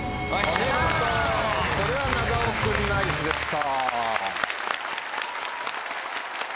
お見事これは長尾君ナイスでした。